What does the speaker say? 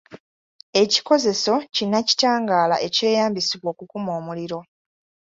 Ekikozeso kinnakitangaala ekyeyambisibwa okukuma omuliro.